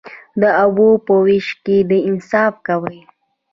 د اوبو په ویش کې انصاف کوئ؟